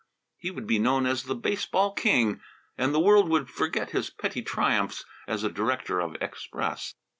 He would be known as the baseball king, and the world would forget his petty triumphs as a director of express.